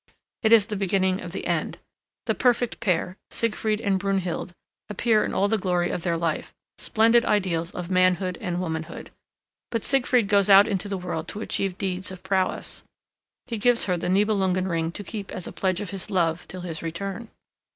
It is the beginning of the end. The perfect pair, Siegfried and Brunhild, appear in all the glory of their life, splendid ideals of manhood and womanhood. But Siegfried goes out into the world to achieve deeds of prowess. He gives her the Nibelungen ring to keep as a pledge of his love till his return.